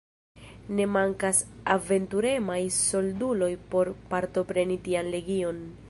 Ne mankas aventuremaj solduloj por partopreni tian legion.